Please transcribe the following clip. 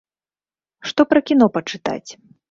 Што пра кіно пачытаць?